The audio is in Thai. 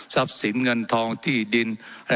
ว่าการกระทรวงบาทไทยนะครับ